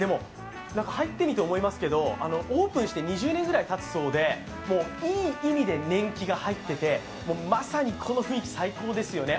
入ってみて思いますけど、オープンして２０年ぐらいたつそうでいい意味で年季が入っていてまさにこの雰囲気、最高ですよね。